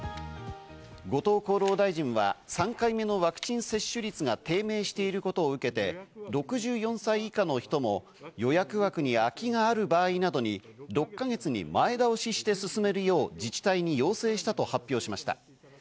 後藤厚労大臣は３回目のワクチン接種率が低迷していることを受けて、６４歳以下の人も予約枠に空きがある場合などに６か月に前倒しして進めるよう自治体に要請したと発表しました。